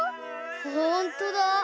ほんとだ。